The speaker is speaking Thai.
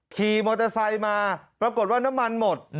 ขี่มอเตอร์ไซค์มาปรากฏว่าน้ำมันหมด